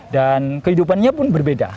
dan kehidupannya pun berbeda